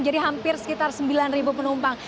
jadi hampir sekitar sembilan penumpang